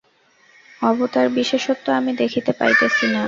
অবতারবিশেষত্ব আমি দেখিতে পাইতেছি না।